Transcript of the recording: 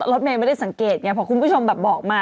รถเมย์ไม่ได้สังเกตไงเพราะคุณผู้ชมแบบบอกมา